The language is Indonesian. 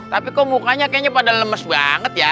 tapi kok mukanya kayaknya pada lemes banget ya